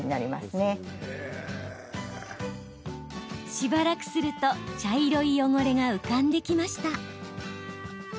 しばらくすると茶色い汚れが浮かんできました。